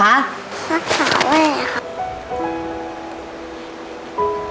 สาวแม่ค่ะ